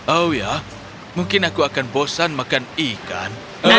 oh ya mungkin aku akan bosan makan ikan